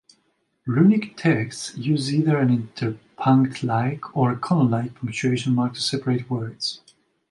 Runic texts use either an interpunct-like or a colon-like punctuation mark to separate words.